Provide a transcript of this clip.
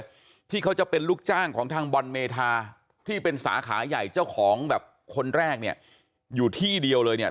ที่เขาจะเป็นลูกจ้างของทางบอลเมธาที่เป็นสาขาใหญ่เจ้าของแบบคนแรกเนี่ยอยู่ที่เดียวเลยเนี่ย